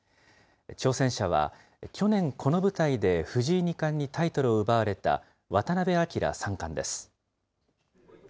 挑戦者は、去年この舞台で藤井二冠にタイトルを奪われた渡辺明三冠です。